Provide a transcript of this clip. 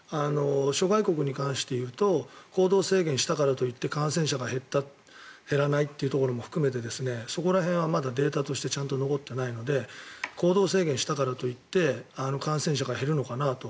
諸外国に関していうと行動制限をしたからといって感染者が減った減らないということも含めてそこら辺はまだデータとしてちゃんと残っていないので行動制限したからといって感染者が減るのかなと。